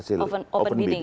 termasuk hasil open bidding